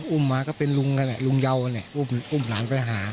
อุ้มมาก็เป็นลุงนั่นแหละลุงเยากันเนี่ยอุ้มหลานไปหา